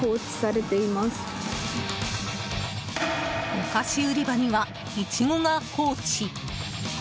お菓子売り場にはイチゴが放置。